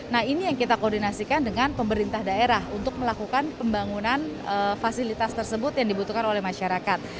nah ini yang kita koordinasikan dengan pemerintah daerah untuk melakukan pembangunan fasilitas tersebut yang dibutuhkan oleh masyarakat